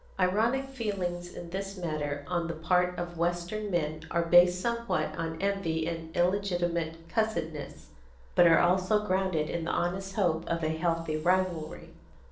Ironic feelings in this matter on the part of western men are based somewhat on envy and illegitimate cussedness, but are also grounded in the honest hope of a healthful rivalry.